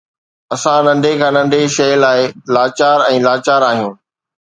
اسان ننڍي کان ننڍي شيءِ لاءِ لاچار ۽ لاچار آهيون.